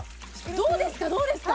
どうですかどうですか？